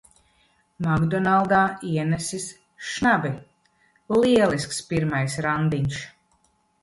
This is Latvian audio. "Makdonaldā" ienesis šnabi! Lielisks pirmais randiņš.